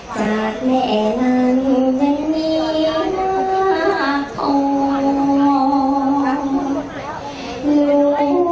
จากแม่นั้นก็นีมาก